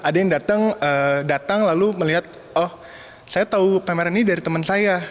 ada yang datang datang lalu melihat oh saya tahu pameran ini dari teman saya